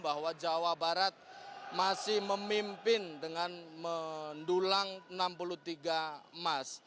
bahwa jawa barat masih memimpin dengan mendulang enam puluh tiga emas